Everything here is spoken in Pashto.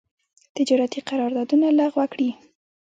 تجارتي قرارداونه لغو کړي.